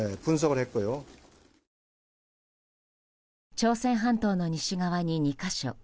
朝鮮半島の西側に２か所